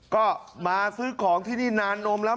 ก็มาซื้อของที่นี่นานนมแล้ว